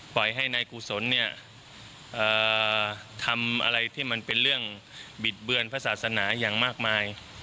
ปล่อยให้นายกุศลเนี่ยทำอะไรที่มันเป็นเรื่องบิดเบือนพระศาสนาอย่างมากมาย